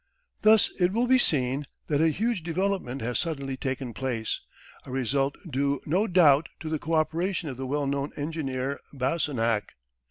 Thus it will be seen that a huge development has suddenly taken place, a result due no doubt to the co operation of the well known engineer Basenach.